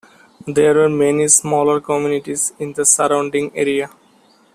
There are many smaller communities in the surrounding area.